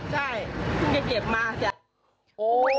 ใช่เพิ่งจะเก็บมาแค่